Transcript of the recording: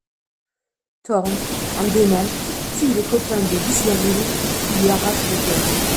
Thorn en démon tue les copains de Wismerhill, qui lui arrache le cœur.